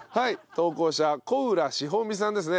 投稿者小浦史保美さんですね。